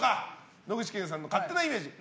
野口健さんの勝手なイメージ。